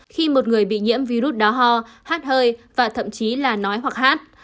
khi một người bị nhiễm virus đó ho hát hơi và thậm chí là nói hoặc hát